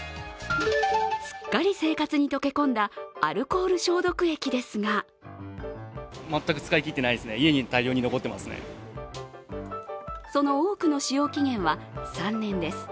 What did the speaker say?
すっかり生活に溶け込んだアルコール消毒液ですがその多くの使用期限は３年です。